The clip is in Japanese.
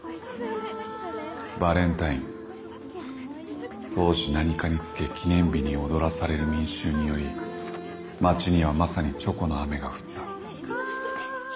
バレンタイン当時何かにつけ記念日に躍らされる民衆により街にはまさにチョコの雨が降った。